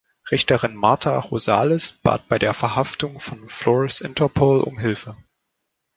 Richterin Marta Rosales bat bei der Verhaftung von Flores Interpol um Hilfe.